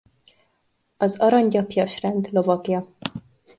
Az Aranygyapjas rend lovagja.